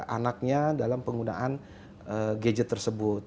jadi ada bentuknya dalam penggunaan gadget tersebut